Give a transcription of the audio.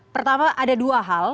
pertama ada dua hal